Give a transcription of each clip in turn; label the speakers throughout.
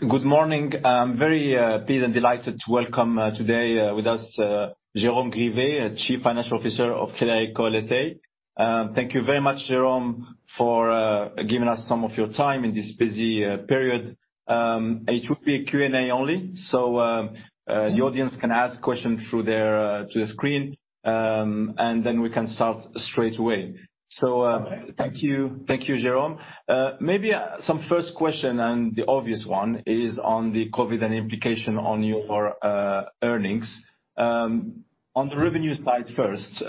Speaker 1: Good morning. I'm very pleased and delighted to welcome today with us, Jérôme Grivet, Chief Financial Officer of Crédit Agricole SA. Thank you very much, Jérôme, for giving us some of your time in this busy period. It will be a Q&A only. The audience can ask questions through the screen. We can start straight away. Thank you, Jérôme. Maybe some first question, the obvious one, is on the COVID and implication on your earnings. On the revenue side first,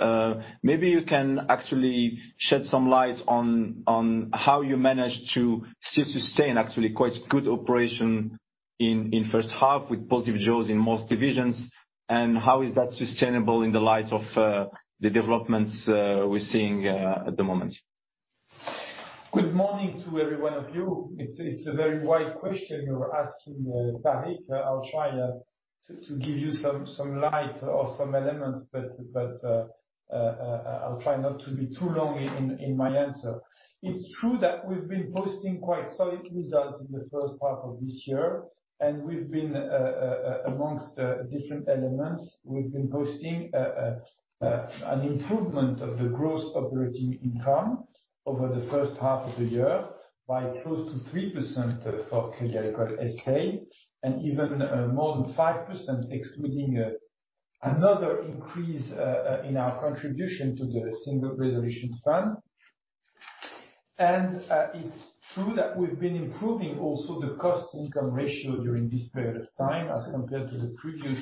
Speaker 1: maybe you can actually shed some light on how you managed to still sustain actually quite good operation in first half with positive growth in most divisions. How is that sustainable in the light of the developments we're seeing at the moment?
Speaker 2: Good morning to every one of you. It's a very wide question you're asking, Tarik. I'll try to give you some light or some elements, but I'll try not to be too long in my answer. It's true that we've been posting quite solid results in the first half of this year, and amongst the different elements, we've been posting an improvement of the gross operating income over the first half of the year by close to 3% for Crédit Agricole SA, and even more than 5% excluding another increase in our contribution to the Single Resolution Fund. It's true that we've been improving also the cost-income ratio during this period of time as compared to the previous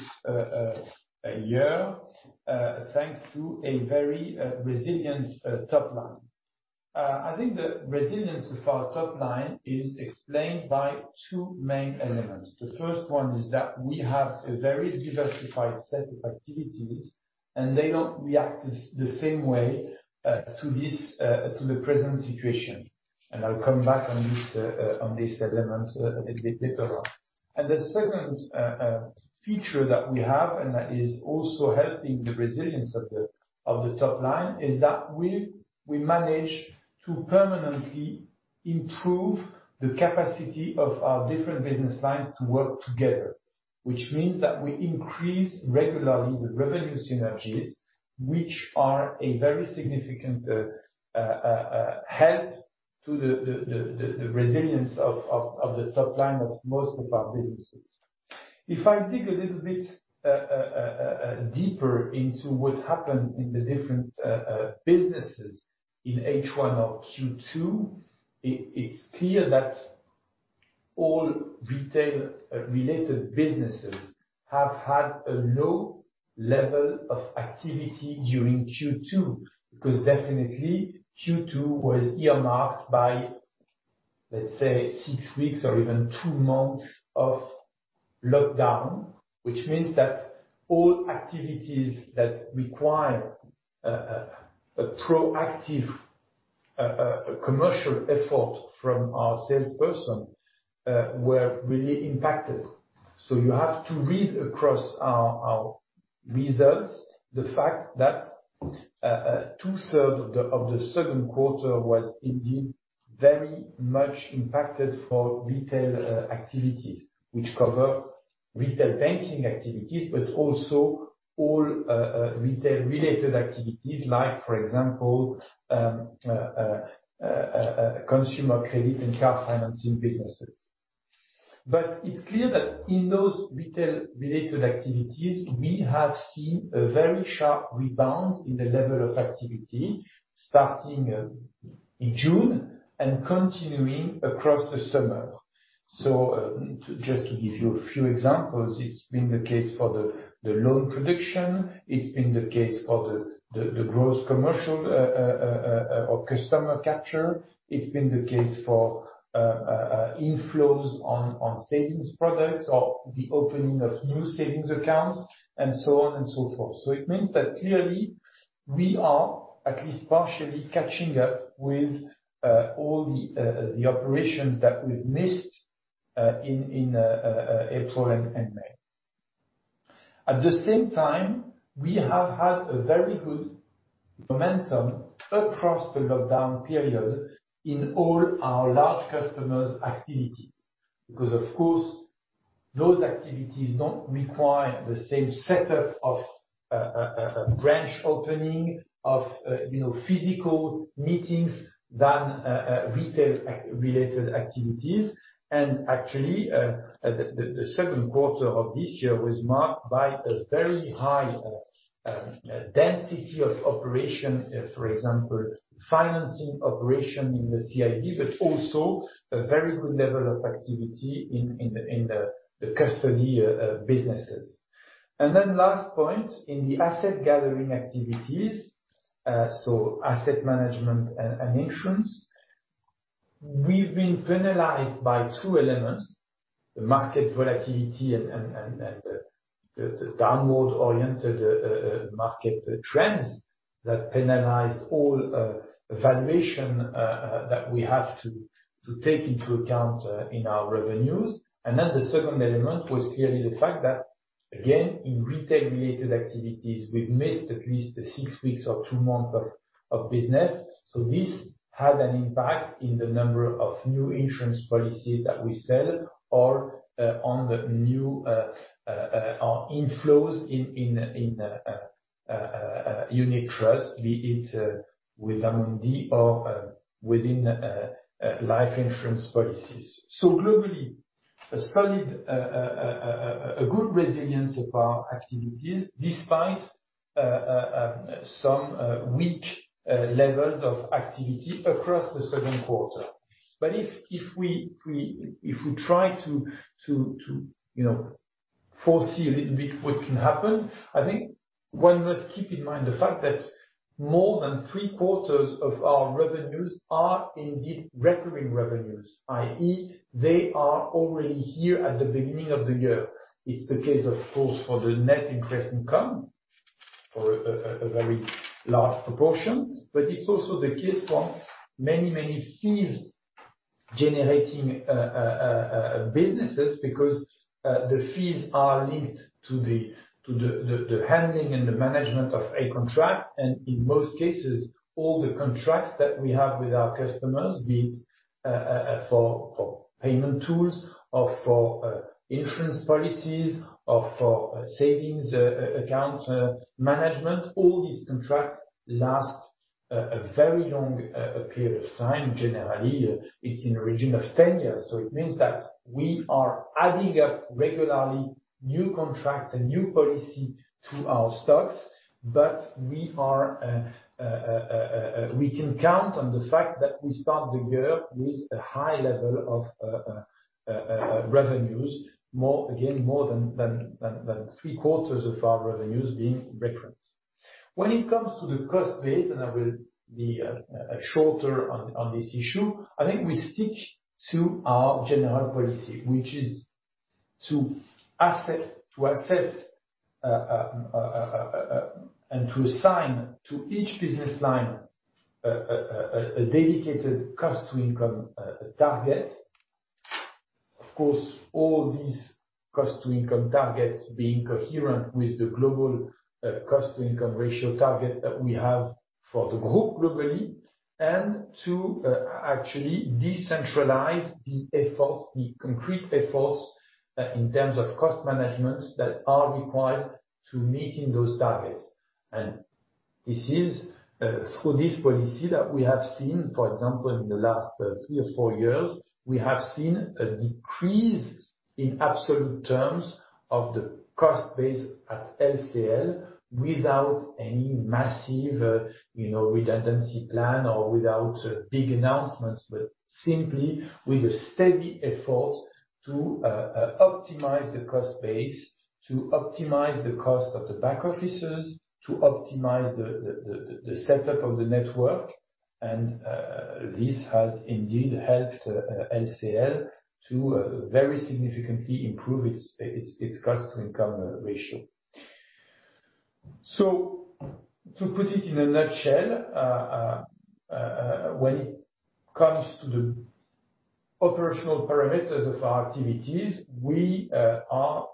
Speaker 2: year, thanks to a very resilient top line. I think the resilience of our top line is explained by two main elements. The first one is that we have a very diversified set of activities, and they don't react the same way to the present situation. I'll come back on this element a little bit later on. The second feature that we have, and that is also helping the resilience of the top line, is that we manage to permanently improve the capacity of our different business lines to work together. Which means that we increase regularly the revenue synergies, which are a very significant help to the resilience of the top line of most of our businesses. If I dig a little bit deeper into what happened in the different businesses in H1 of Q2, it's clear that all retail-related businesses have had a low level of activity during Q2, because definitely Q2 was earmarked by, let's say, six weeks or even two months of lockdown, which means that all activities that require a proactive commercial effort from our salesperson were really impacted. You have to read across our results the fact that 2/3 of the second quarter was indeed very much impacted for retail activities, which cover retail banking activities, also all retail-related activities like, for example, consumer credit and car financing businesses. It's clear that in those retail-related activities, we have seen a very sharp rebound in the level of activity starting in June and continuing across the summer. Just to give you a few examples, it's been the case for the loan production, it's been the case for the gross commercial or customer capture. It's been the case for inflows on savings products or the opening of new savings accounts and so on and so forth. It means that clearly we are at least partially catching up with all the operations that we've missed in April and May. At the same time, we have had a very good momentum across the lockdown period in all our large customers' activities. Of course, those activities don't require the same setup of branch opening of physical meetings than retail-related activities. Actually, the second quarter of this year was marked by a very high density of operation, for example, financing operation in the CIB, but also a very good level of activity in the custody businesses. Last point, in the asset gathering activities, so asset management and insurance, we've been penalized by two elements, the market volatility and the downward-oriented market trends that penalized all valuation that we have to take into account in our revenues. The second element was clearly the fact that in retail-related activities, we've missed at least six weeks or two months of business. This had an impact on the number of new insurance policies that we sell or on the new inflows in unit trust, be it with Amundi or within life insurance policies. Globally, a good resilience of our activities despite some weak levels of activity across the second quarter. If we try to foresee a little bit what can happen, I think one must keep in mind the fact that more than three-quarters of our revenues are indeed recurring revenues, i.e., they are already here at the beginning of the year. It's the case, of course, for the net interest income for a very large proportion, but it's also the case for many fees-generating businesses because the fees are linked to the handling and the management of a contract. In most cases, all the contracts that we have with our customers, be it for payment tools or for insurance policies or for savings account management, all these contracts last a very long period of time. Generally, it's in the region of 10 years. It means that we are adding up regularly new contracts and new policy to our stocks, but we can count on the fact that we start the year with a high level of revenues, again, more than three-quarters of our revenues being recurrent. When it comes to the cost base, and I will be shorter on this issue, I think we stick to our general policy, which is to assess and to assign to each business line a dedicated cost-to-income target. Of course, all these cost-to-income targets being coherent with the global cost-to-income ratio target that we have for the group globally, and to actually decentralize the concrete efforts in terms of cost management that are required to meeting those targets. It is through this policy that we have seen, for example, in the last three or four years, we have seen a decrease in absolute terms of the cost base at LCL without any massive redundancy plan or without big announcements, but simply with a steady effort to optimize the cost base, to optimize the cost of the back offices, to optimize the setup of the network. This has indeed helped LCL to very significantly improve its cost-to-income ratio. To put it in a nutshell, when it comes to the operational parameters of our activities, we are,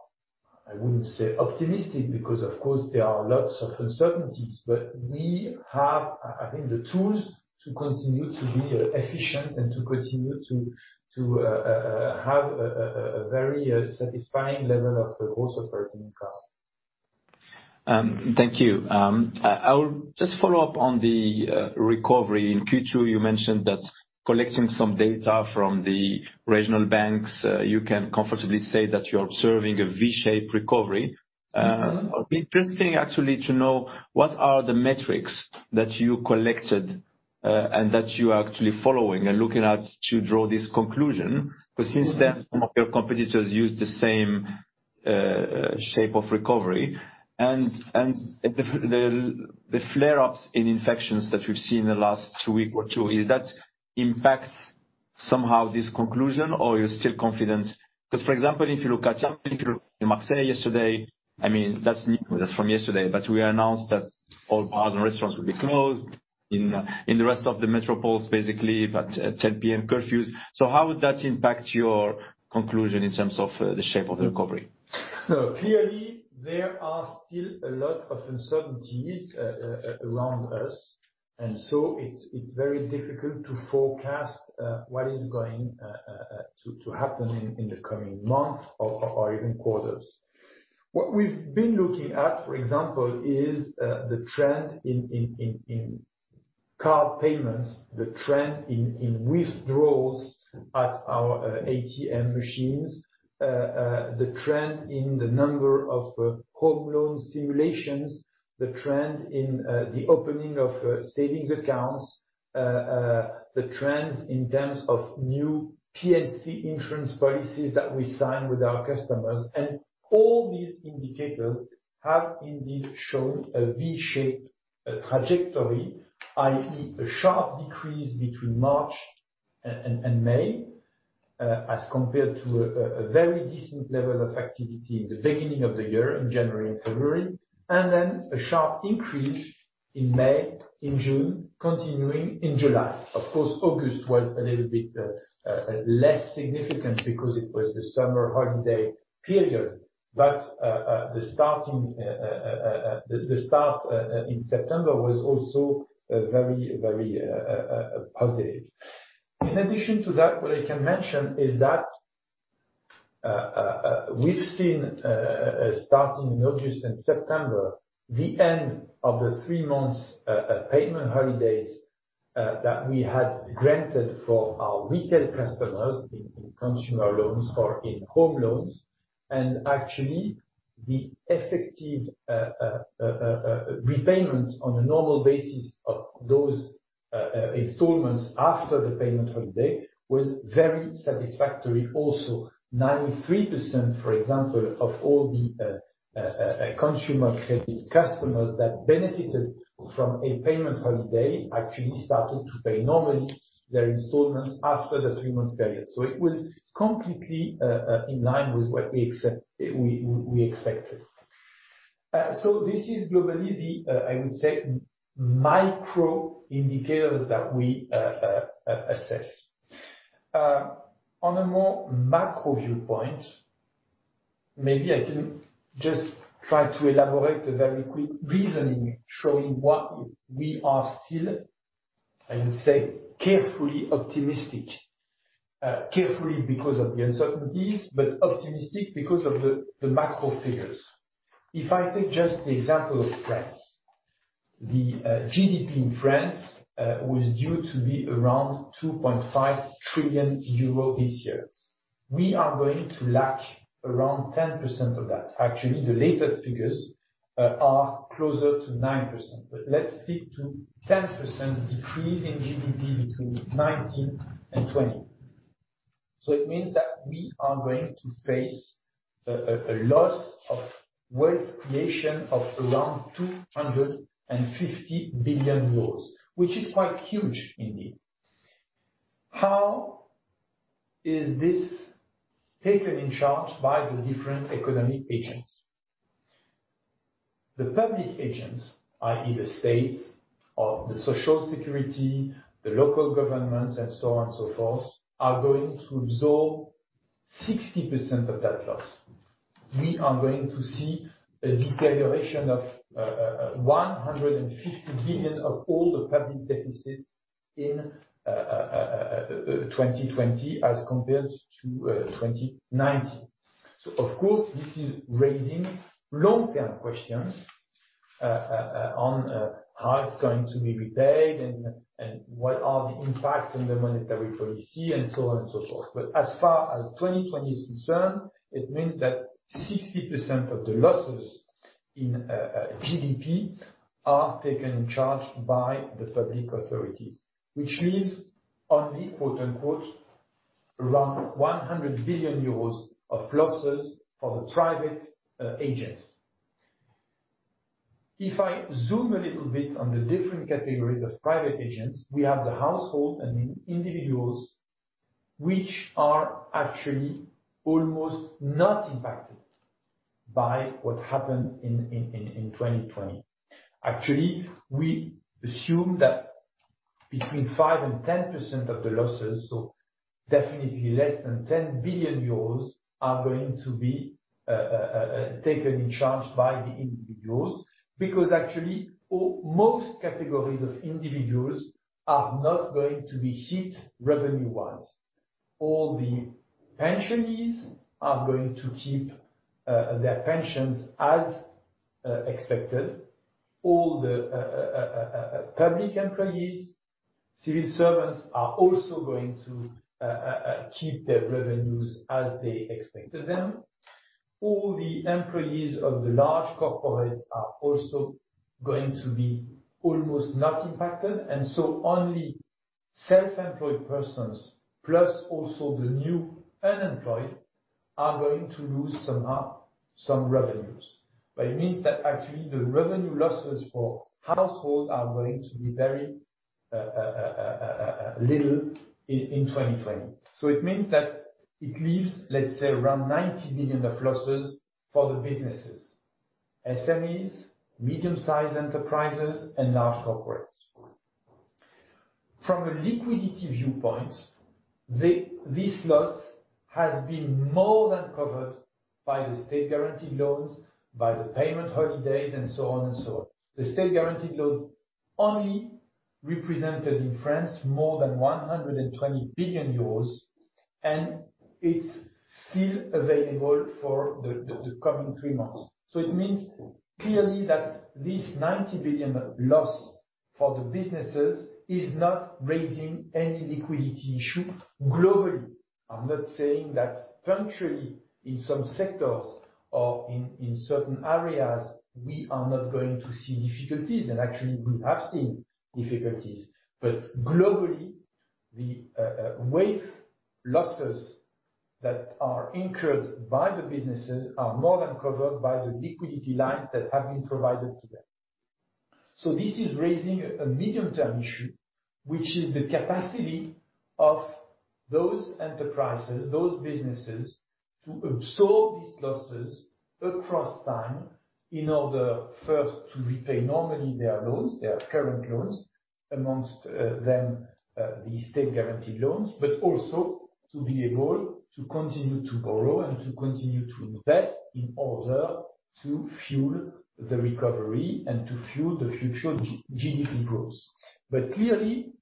Speaker 2: I wouldn't say optimistic because of course there are lots of uncertainties, but we have, I think, the tools to continue to be efficient and to continue to have a very satisfying level of the cost of operating cost.
Speaker 1: Thank you. I'll just follow up on the recovery. In Q2, you mentioned that collecting some data from the regional banks, you can comfortably say that you're observing a V-shaped recovery. I'd be interested actually to know what are the metrics that you collected and that you are actually following and looking at to draw this conclusion, because since then some of your competitors use the same shape of recovery. The flare-ups in infections that we've seen in the last week or two, does that impact somehow this conclusion, or you're still confident? For example, if you look at Marseille yesterday, that's news from yesterday, but we announced that all bars and restaurants will be closed in the rest of the metropolis, basically, but 10:00 P.M. curfews. How would that impact your conclusion in terms of the shape of the recovery?
Speaker 2: Clearly, there are still a lot of uncertainties around us, and so it's very difficult to forecast what is going to happen in the coming months or even quarters. What we've been looking at, for example, is the trend in card payments, the trend in withdrawals at our ATM machines, the trend in the number of home loan simulations, the trend in the opening of savings accounts, the trends in terms of new P&C insurance policies that we sign with our customers. All these indicators have indeed shown a V-shaped trajectory, i.e., a sharp decrease between March and May, as compared to a very decent level of activity in the beginning of the year, in January and February. A sharp increase in May, in June, continuing in July. August was a little bit less significant because it was the summer holiday period, but the start in September was also very positive. In addition to that, what I can mention is that we've seen, starting in August and September, the end of the three months payment holidays that we had granted for our retail customers in consumer loans or in home loans. Actually, the effective repayments on a normal basis of those installments after the payment holiday was very satisfactory also. 93%, for example, of all the consumer credit customers that benefited from a payment holiday, actually started to pay normally their installments after the three-month period. It was completely in line with what we expected. This is globally the, I would say, micro indicators that we assess. On a more macro viewpoint, maybe I can just try to elaborate a very quick reasoning showing why we are still, I would say, carefully optimistic. Carefully because of the uncertainties, optimistic because of the macro figures. If I take just the example of France, the GDP in France was due to be around 2.5 trillion euro this year. We are going to lack around 10% of that. Actually, the latest figures are closer to 9%, let's stick to 10% decrease in GDP between 2019 and 2020. It means that we are going to face a loss of wealth creation of around 250 billion euros, which is quite huge indeed. How is this taken in charge by the different economic agents? The public agents, i.e., the states or the Social Security, the local governments, and so on and so forth, are going to absorb 60% of that loss. We are going to see a deterioration of 150 billion of all the public deficits in 2020 as compared to 2019. Of course, this is raising long-term questions on how it's going to be repaid and what are the impacts on the monetary policy and so on and so forth. As far as 2020 is concerned, it means that 60% of the losses in GDP are taken in charge by the public authorities, which leaves only "around 100 billion euros of losses for the private agents." If I zoom a little bit on the different categories of private agents, we have the household and individuals, which are actually almost not impacted by what happened in 2020. Actually, we assume that between 5%-10% of the losses, so definitely less than 10 billion euros, are going to be taken in charge by the individuals, because actually, most categories of individuals are not going to be hit revenue-wise. All the pensioners are going to keep their pensions as expected. All the public employees, civil servants, are also going to keep their revenues as they expected them. All the employees of the large corporates are also going to be almost not impacted, only self-employed persons, plus also the new unemployed, are going to lose some revenues. It means that actually, the revenue losses for households are going to be very little in 2020. It means that it leaves, let's say, around 90 billion of losses for the businesses, SMEs, medium-sized enterprises, and large corporates. From a liquidity viewpoint, this loss has been more than covered by the state-guaranteed loans, by the payment holidays, and so on. The state-guaranteed loans only represented in France more than 120 billion euros, and it's still available for the coming three months. It means clearly that this 90 billion loss for the businesses is not raising any liquidity issue globally. I'm not saying that country, in some sectors or in certain areas, we are not going to see difficulties, and actually, we have seen difficulties. Globally, the wealth losses that are incurred by the businesses are more than covered by the liquidity lines that have been provided to them. This is raising a medium-term issue, which is the capacity of those enterprises, those businesses, to absorb these losses across time in order first to repay normally their loans, their current loans, amongst them the state-guaranteed loans, but also to be able to continue to borrow and to continue to invest in order to fuel the recovery and to fuel the future GDP growth. Clearly,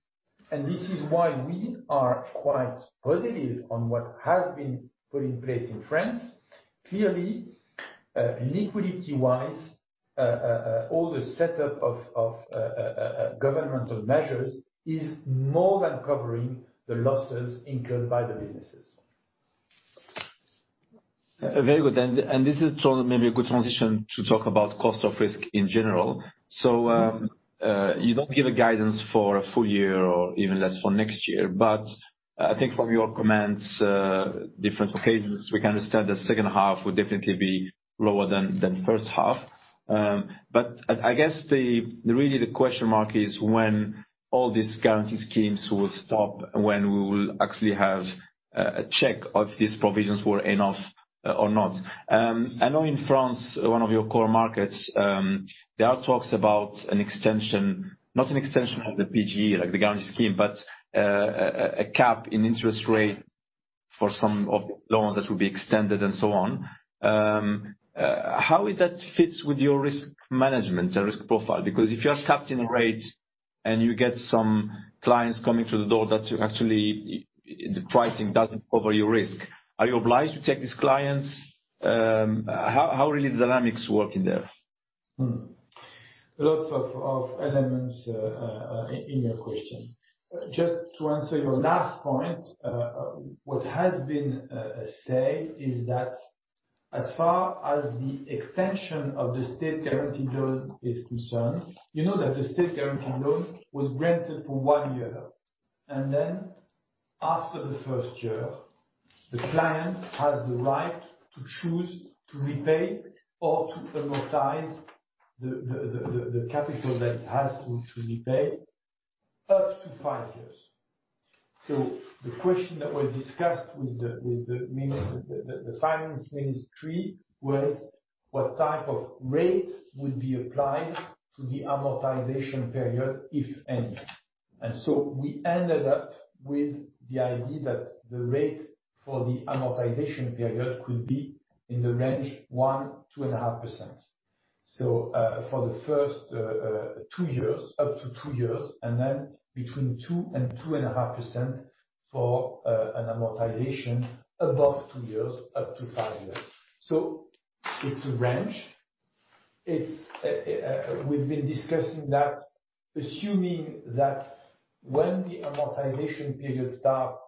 Speaker 2: and this is why we are quite positive on what has been put in place in France, clearly, liquidity-wise, all the setup of governmental measures is more than covering the losses incurred by the businesses.
Speaker 1: Very good. This is maybe a good transition to talk about cost of risk in general. You don't give a guidance for a full year or even less for next year, but I think from your comments, different occasions, we can understand the second half will definitely be lower than first half. I guess really the question mark is when all these guarantee schemes will stop, when we will actually have a check of these provisions were enough or not. I know in France, one of your core markets, there are talks about an extension, not an extension of the PGE, like the guarantee scheme, but a cap in interest rate for some of the loans that will be extended and so on. How is that fits with your risk management or risk profile? If you are capped in rate and you get some clients coming through the door that you actually, the pricing doesn't cover your risk, are you obliged to take these clients? How really the dynamics work in there?
Speaker 2: Lots of elements in your question. Just to answer your last point, what has been said is that as far as the extension of the state-guaranteed loan is concerned, you know that the state-guaranteed loan was granted for one year, and then after the first year, the client has the right to choose to repay or to amortize the capital that it has to repay up to five years. The question that was discussed with the finance ministry was what type of rate would be applied to the amortization period, if any. We ended up with the idea that the rate for the amortization period could be in the range 1%-2.5%. For the first two years, up to two years, and then between 2%-2.5% for an amortization above two years, up to five years. It's a range. We've been discussing that, assuming that when the amortization period starts,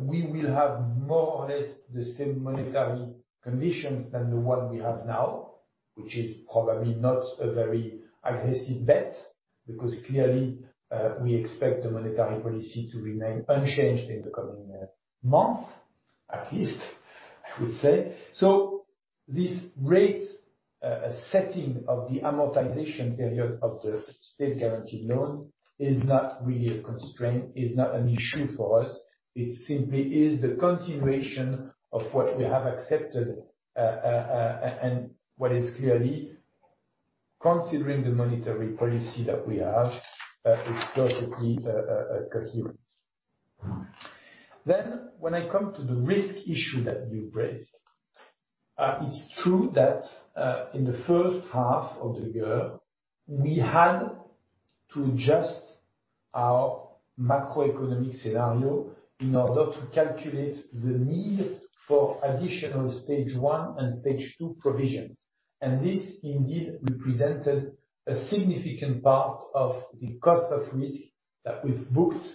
Speaker 2: we will have more or less the same monetary conditions than the one we have now, which is probably not a very aggressive bet, because clearly, we expect the monetary policy to remain unchanged in the coming months, at least, I would say. This rate setting of the amortization period of the state-guaranteed loan is not really a constraint, is not an issue for us. It simply is the continuation of what we have accepted, and what is clearly considering the monetary policy that we have, it's perfectly coherent. When I come to the risk issue that you raised, it's true that in the first half of the year, we had to adjust our macroeconomic scenario in order to calculate the need for additional Stage 1 and Stage 2 provisions. This indeed represented a significant part of the cost of risk that was booked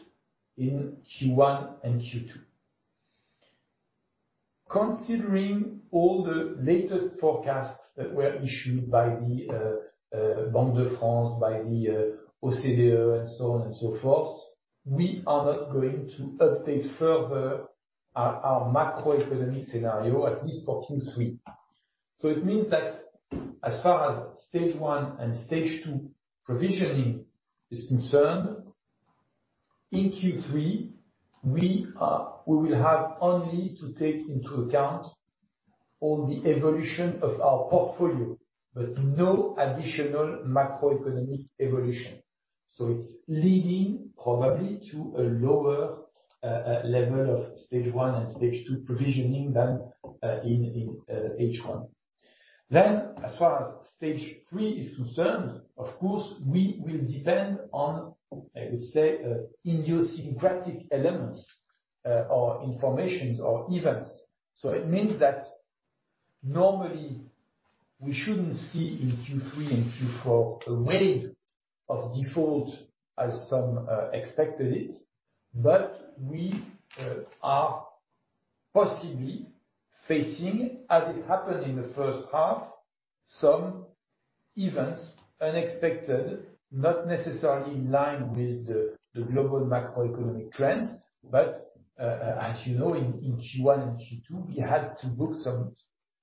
Speaker 2: in Q1 and Q2. Considering all the latest forecasts that were issued by the Banque de France, by the OECD and so on and so forth, we are not going to update further our macroeconomic scenario, at least for Q3. It means that as far as Stage 1 and Stage 2 provisioning is concerned, in Q3, we will have only to take into account all the evolution of our portfolio, but no additional macroeconomic evolution. It's leading probably to a lower level of Stage 1 and Stage 2 provisioning than in H1. As far as Stage 3 is concerned, of course, we will depend on, I would say, idiosyncratic elements or information or events. It means that normally we shouldn't see in Q3 and Q4 a wave of default as some expected it, but we are possibly facing, as it happened in the first half, some events unexpected, not necessarily in line with the global macroeconomic trends. As you know, in Q1 and Q2, we had to book some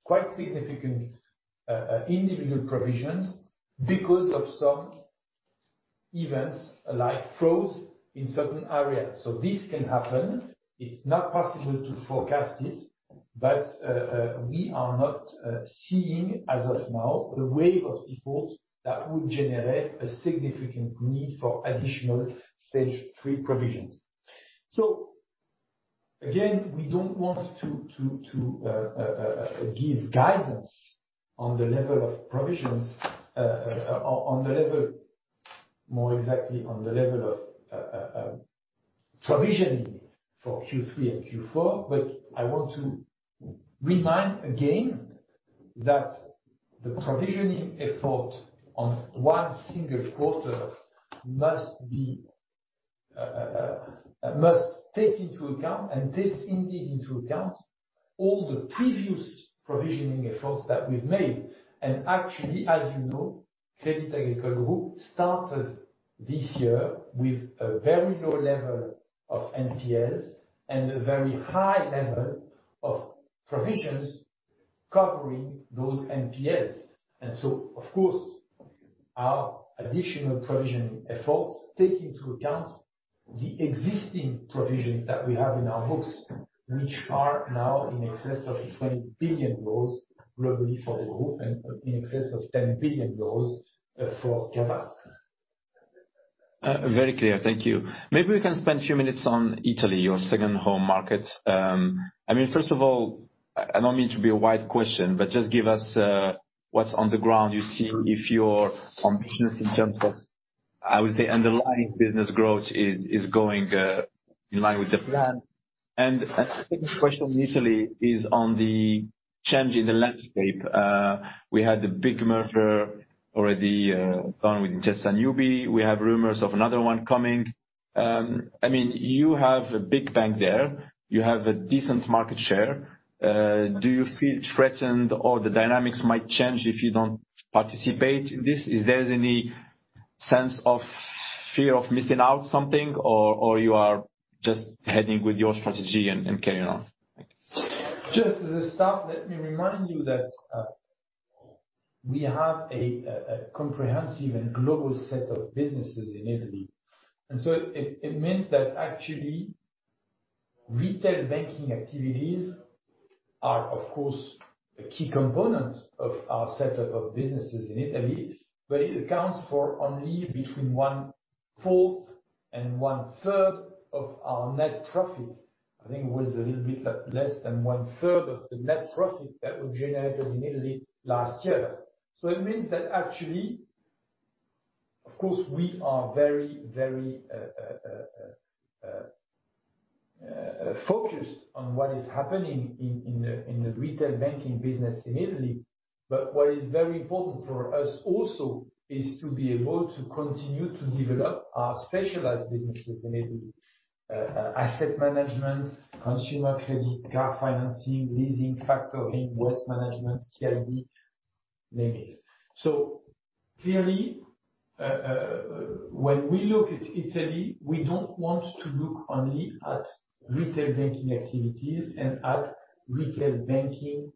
Speaker 2: quite significant individual provisions because of some events like frauds in certain areas. This can happen. It's not possible to forecast it, but we are not seeing, as of now, the wave of defaults that would generate a significant need for additional Stage 3 provisions. Again, we don't want to give guidance on the level of provisions, more exactly on the level of provisioning for Q3 and Q4. I want to remind again that the provisioning effort on one single quarter must take into account, and takes indeed into account, all the previous provisioning efforts that we've made. Actually, as you know, Crédit Agricole Group started this year with a very low level of NPLs and a very high level of provisions covering those NPLs. Of course, our additional provisioning efforts take into account the existing provisions that we have in our books, which are now in excess of 20 billion euros, roughly for the group, and in excess of 10 billion euros for CASA.
Speaker 1: Very clear. Thank you. Maybe we can spend a few minutes on Italy, your second home market. First of all, I don't mean to be a wide question, but just give us what's on the ground you see if you're ambitious in terms of, I would say, underlying business growth is going in line with the plan. A second question on Italy is on the change in the landscape. We had the big merger already done with Intesa Sanpaolo. We have rumors of another one coming. You have a big bank there. You have a decent market share. Do you feel threatened or the dynamics might change if you don't participate in this? Is there any sense of fear of missing out something, or you are just heading with your strategy and carrying on? Thank you.
Speaker 2: Just to start, let me remind you that we have a comprehensive and global set of businesses in Italy. It means that actually, retail banking activities are, of course, a key component of our set up of businesses in Italy, but it accounts for only between one-fourth and one-third of our net profit. I think it was a little bit less than one-third of the net profit that was generated in Italy last year. It means that actually, of course, we are very focused on what is happening in the retail banking business in Italy. What is very important for us also is to be able to continue to develop our specialized businesses in Italy: asset management, consumer credit, car financing, leasing, factoring, wealth management, CIB, name it. Clearly, when we look at Italy, we don't want to look only at retail banking activities and at retail banking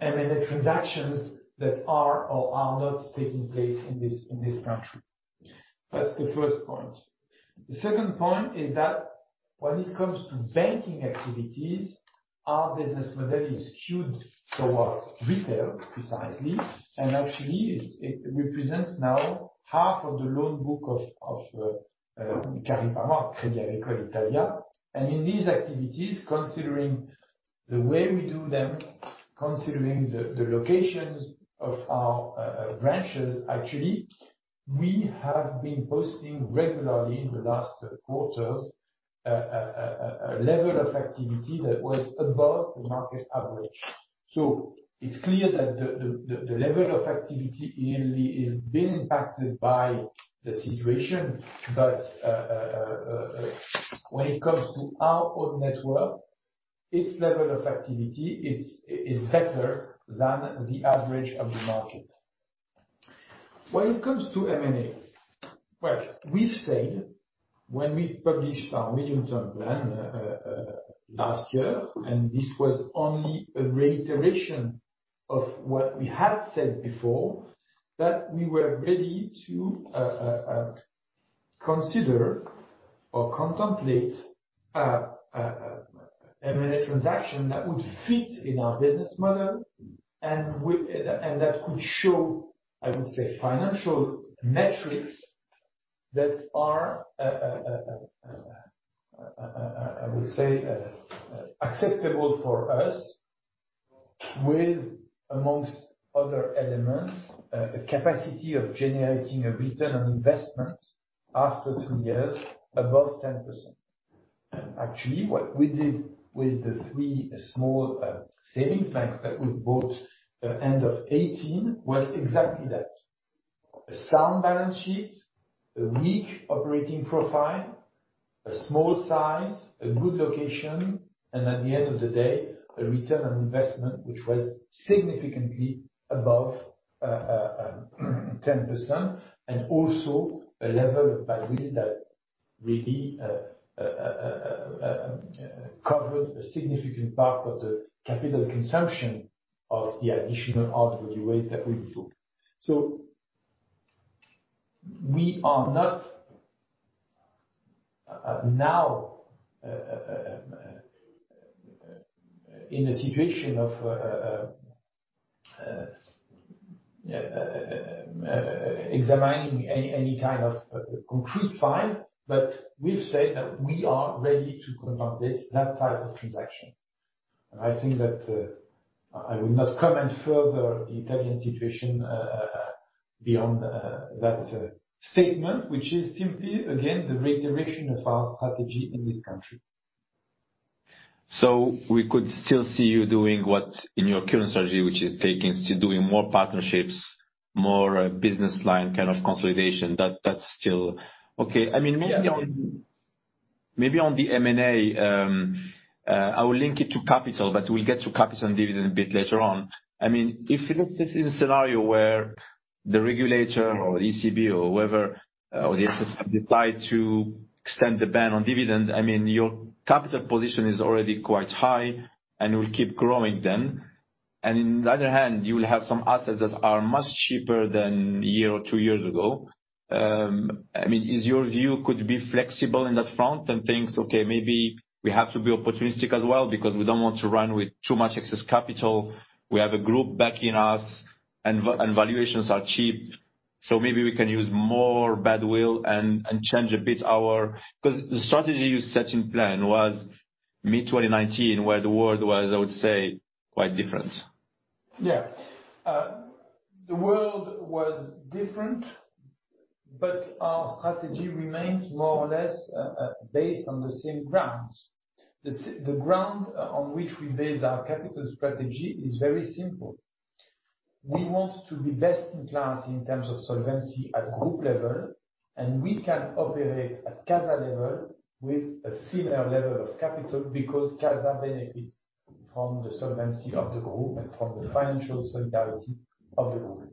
Speaker 2: M&A transactions that are or are not taking place in this country. That's the first point. The second point is that when it comes to banking activities, our business model is skewed towards retail precisely, and actually it represents now half of the loan book of Cariparma, Crédit Agricole Italia. In these activities, considering the way we do them, considering the locations of our branches, actually, we have been posting regularly in the last quarters a level of activity that was above the market average. It's clear that the level of activity in Italy is being impacted by the situation. When it comes to our own network, its level of activity is better than the average of the market. When it comes to M&A, well, we've said when we published our medium-term plan last year, and this was only a reiteration of what we had said before, that we were ready to consider or contemplate a M&A transaction that would fit in our business model, and that could show, I would say, financial metrics that are, I would say, acceptable for us with, amongst other elements, a capacity of generating a return on investment after three years, above 10%. Actually, what we did with the three small savings banks that we bought end of 2018 was exactly that. A sound balance sheet, a weak operating profile, a small size, a good location, and at the end of the day, a return on investment which was significantly above 10%, and also a level of badwill that really covered a significant part of the capital consumption of the additional RWA that we took. We are not now in a situation of examining any kind of concrete file. We've said that we are ready to contemplate that type of transaction. I think that I will not comment further the Italian situation beyond that statement, which is simply, again, the reiteration of our strategy in this country.
Speaker 1: We could still see you doing what's in your current strategy, which is still doing more partnerships, more business line kind of consolidation. That's still okay. Maybe on the M&A, I will link it to capital, but we'll get to capital and dividend a bit later on. If let's say it's in a scenario where the regulator or ECB or whoever, or the SSM decide to extend the ban on dividend, your capital position is already quite high and will keep growing then. On the other hand, you will have some assets that are much cheaper than a year or two years ago. Is your view could be flexible in that front and think, "Okay, maybe we have to be opportunistic as well because we don't want to run with too much excess capital? We have a group backing us, and valuations are cheap, so maybe we can use more badwill and change a bit our because the strategy you set in plan was mid 2019, where the world was, I would say, quite different.
Speaker 2: Yeah. The world was different, but our strategy remains more or less based on the same grounds. The ground on which we base our capital strategy is very simple. We want to be best in class in terms of solvency at group level, and we can operate at CASA level with a thinner level of capital because CASA benefits from the solvency of the group and from the financial solidarity of the group.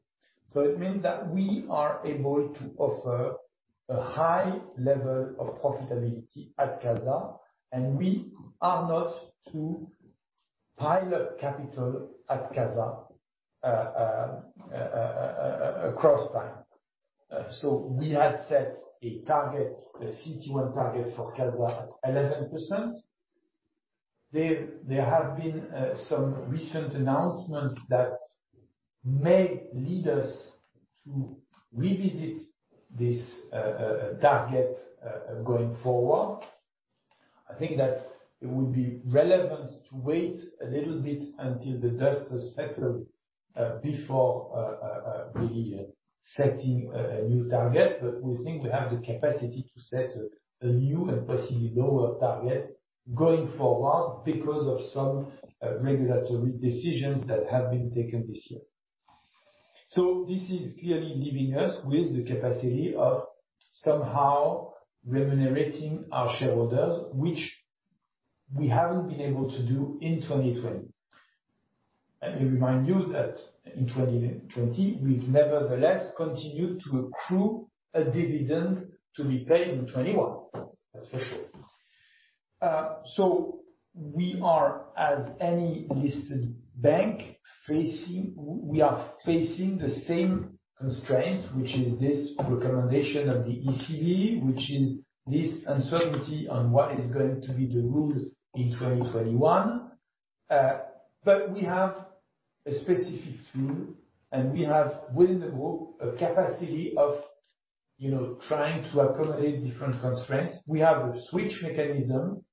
Speaker 2: It means that we are able to offer a high level of profitability at CASA, and we are not to pile up capital at CASA across time. We had set a target, a CET1 target for CASA at 11%. There have been some recent announcements that may lead us to revisit this target, going forward. I think that it would be relevant to wait a little bit until the dust has settled before really setting a new target. We think we have the capacity to set a new and possibly lower target going forward because of some regulatory decisions that have been taken this year. This is clearly leaving us with the capacity of somehow remunerating our shareholders, which we haven't been able to do in 2020. Let me remind you that in 2020, we've nevertheless continued to accrue a dividend to be paid in 2021. That's for sure. We are, as any listed bank, we are facing the same constraints, which is this recommendation of the ECB, which is this uncertainty on what is going to be the rule in 2021. We have a specific tool, and we have within the group, a capacity of trying to accommodate different constraints. We have a switch mechanism,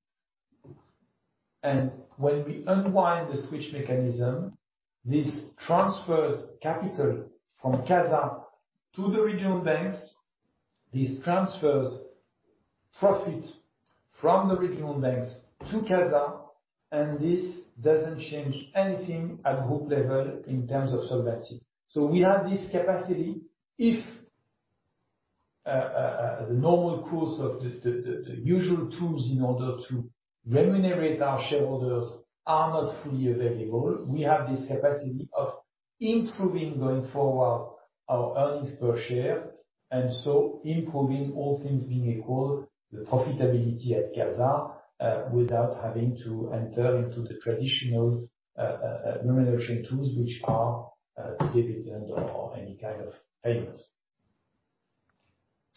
Speaker 2: and when we unwind the switch mechanism, this transfers capital from CASA to the regional banks. This transfers profit from the regional banks to CASA, and this doesn't change anything at group level in terms of solvency. We have this capacity. If the normal course of the usual tools in order to remunerate our shareholders are not fully available, we have this capacity of improving going forward our earnings per share, and so improving, all things being equal, the profitability at CASA, without having to enter into the traditional remuneration tools, which are dividend or any kind of payments.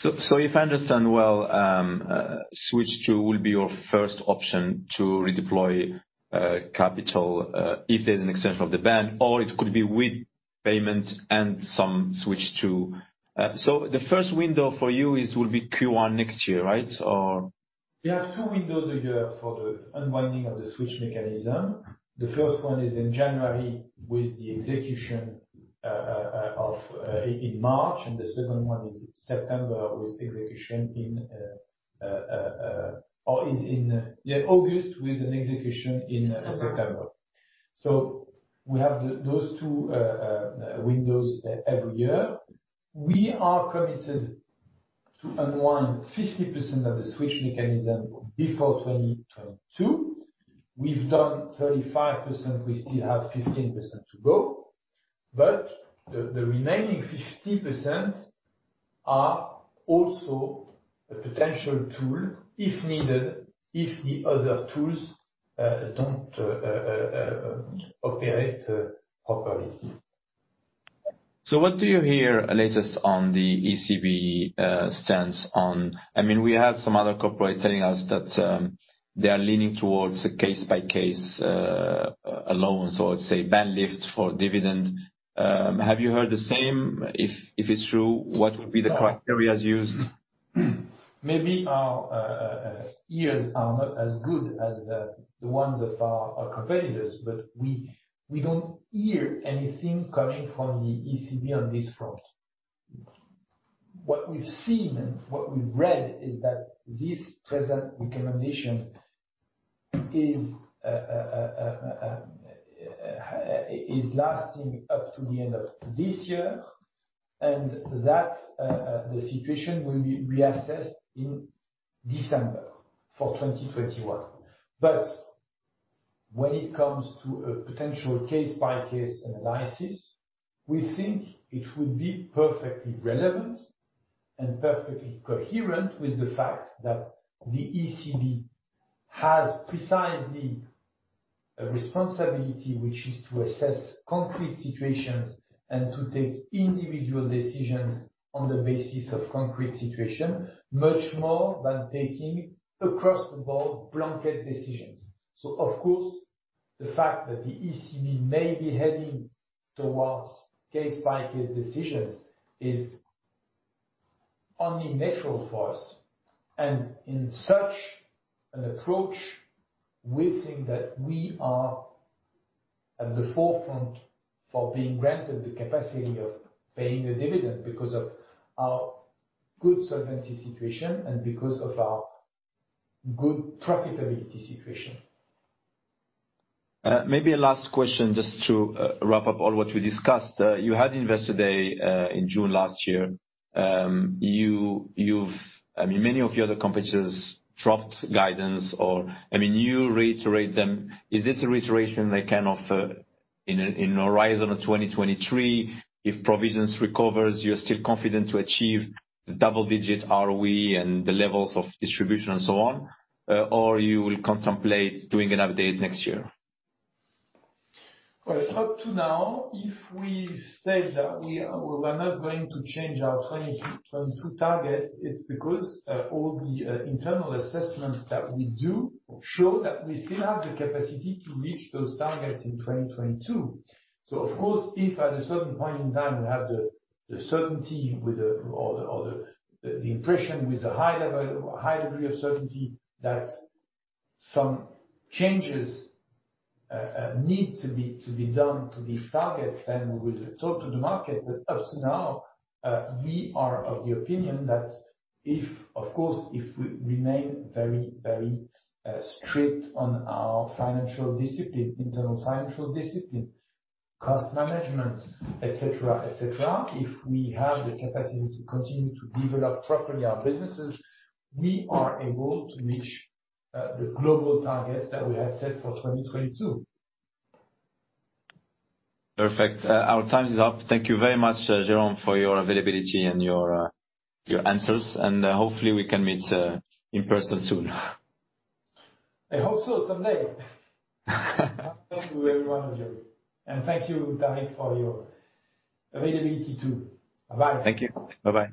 Speaker 1: If I understand well, Switch 2 will be your first option to redeploy capital, if there's an extension of the ban, or it could be with payments and some Switch 2. The first window for you will be Q1 next year, right?
Speaker 2: We have two windows a year for the unwinding of the switch mechanism. The first one is in January with the execution in March, and the second one is September with an execution in September. We have those two windows every year. We are committed to unwind 50% of the switch mechanism before 2022. We've done 35%, we still have 15% to go. The remaining 50% are also a potential tool, if needed, if the other tools don't operate properly.
Speaker 1: What do you hear latest on the ECB stance? We have some other corporate telling us that they are leaning towards a case-by-case loans or say, ban lift for dividend. Have you heard the same? If it's true, what would be the criteria used?
Speaker 2: Maybe our ears are not as good as the ones of our competitors, but we don't hear anything coming from the ECB on this front. What we've seen and what we've read is that this present recommendation is lasting up to the end of this year, and that the situation will be reassessed in December for 2021. When it comes to a potential case-by-case analysis, we think it will be perfectly relevant and perfectly coherent with the fact that the ECB has precisely a responsibility, which is to assess concrete situations and to take individual decisions on the basis of concrete situation, much more than taking across-the-board blanket decisions. Of course, the fact that the ECB may be heading towards case-by-case decisions is only natural for us. In such an approach, we think that we are at the forefront for being granted the capacity of paying a dividend, because of our good solvency situation and because of our good profitability situation.
Speaker 1: Maybe a last question just to wrap up all what we discussed. You had Investor Day in June last year. Many of your other competitors dropped guidance or you reiterate them. Is this a reiteration they can offer in a horizon of 2023? If provisions recover, you're still confident to achieve the double-digit ROE and the levels of distribution and so on? You will contemplate doing an update next year?
Speaker 2: Up to now, if we said that we were not going to change our 2022 targets, it's because all the internal assessments that we do show that we still have the capacity to reach those targets in 2022. Of course, if at a certain point in time we have the certainty or the impression with a high degree of certainty that some changes need to be done to these targets, then we will talk to the market. Up to now, we are of the opinion that if, of course, if we remain very strict on our internal financial discipline, cost management, et cetera. If we have the capacity to continue to develop properly our businesses, we are able to reach the global targets that we have set for 2022.
Speaker 1: Perfect. Our time is up. Thank you very much, Jérôme, for your availability and your answers, and hopefully we can meet in person soon.
Speaker 2: I hope so, someday. Thank you, everyone of you. Thank you, Tarik, for your availability, too. Bye-bye.
Speaker 1: Thank you. Bye-bye.